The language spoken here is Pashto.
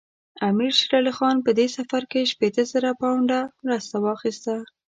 امیر شېر علي خان په دې سفر کې شپېته زره پونډه مرسته واخیسته.